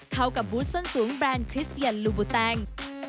เข้ากับบูธส้นสูงแบรนด์คริสเตียนลูบูแตง